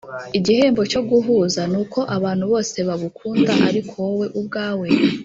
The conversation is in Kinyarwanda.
igihembo cyo guhuza nuko abantu bose bagukunda ariko wowe ubwawe.